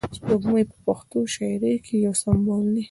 سپوږمۍ په پښتو شاعري کښي یو سمبول دئ.